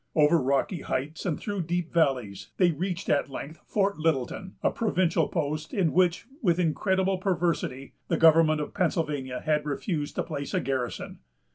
Over rocky heights and through deep valleys, they reached at length Fort Littleton, a provincial post, in which, with incredible perversity, the government of Pennsylvania had refused to place a garrison.